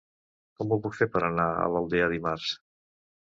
Com ho puc fer per anar a l'Aldea dimarts?